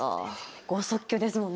豪速球ですもんね。